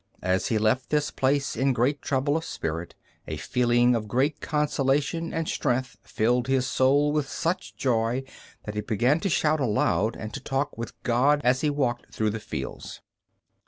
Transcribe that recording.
As he left this place in great trouble of spirit, a feeling of great consolation and strength filled his soul with such joy that he began to shout aloud and to talk with God as he walked through the fields.